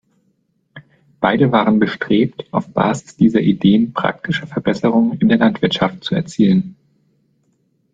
Beide waren bestrebt, auf Basis dieser Ideen praktische Verbesserungen in der Landwirtschaft zu erzielen.